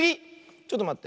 ちょっとまって。